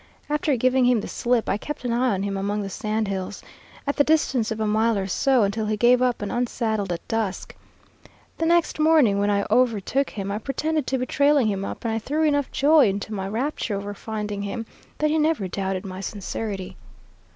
After giving him the slip, I kept an eye on him among the sand hills, at the distance of a mile or so, until he gave up and unsaddled at dusk. The next morning when I overtook him, I pretended to be trailing him up, and I threw enough joy into my rapture over finding him, that he never doubted my sincerity.'